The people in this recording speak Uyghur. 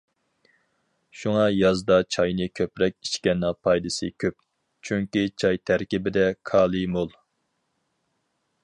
شۇڭا يازدا چاينى كۆپرەك ئىچكەننىڭ پايدىسى كۆپ، چۈنكى چاي تەركىبىدە كالىي مول.